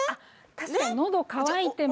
確かにのど渇いてます。